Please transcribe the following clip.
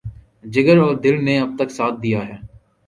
جگر اور دل نے اب تک ساتھ دیا ہے۔